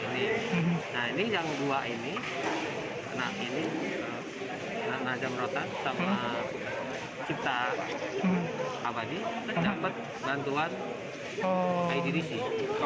nah ini yang dua ini nah ini naga rotan sama cipta kecapat bantuan iddc